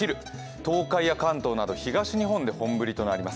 東海や関東など東日本で本降りとなります。